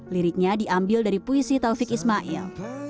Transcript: liriknya diambil dari puisi taufik ismail